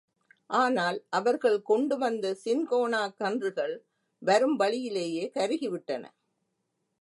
ஆனால் அவர்கள் கொண்டுவந்த சின்கோனாக் கன்றுகள் வரும் வழியிலேயே கருகிவிட்டன.